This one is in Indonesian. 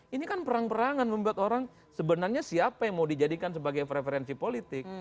ini kan perang perangan membuat orang sebenarnya siapa yang mau dijadikan sebagai preferensi politik